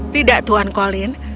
tidak tuan colin